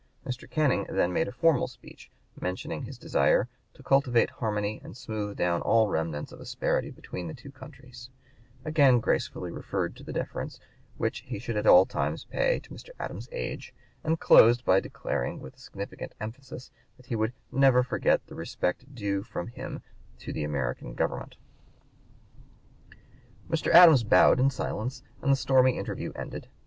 Mr. Canning then made a formal speech, mentioning his desire "to cultivate harmony and smooth down all remnants of asperity between the two countries," again gracefully referred to the deference which he should at all times pay to Mr. Adams's age, and closed by declaring, with a significant emphasis, that he would "never forget the respect due from him to the American Government." Mr. Adams bowed in silence and the stormy interview ended.